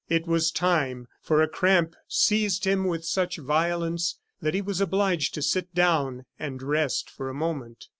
It was time, for a cramp seized him with such violence that he was obliged to sit down and rest for a moment.